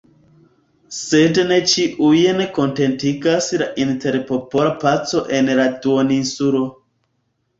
Sed ne ĉiujn kontentigas la interpopola paco en la duoninsulo.